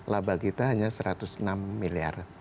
labah kita hanya satu ratus enam miliar